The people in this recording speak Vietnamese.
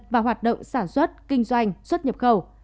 và hoạt động sản xuất kinh doanh xuất nhập khẩu